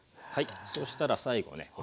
はいそうしたら最後ね